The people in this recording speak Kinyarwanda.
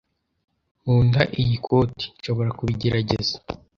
Nkunda iyi koti. Nshobora kubigerageza?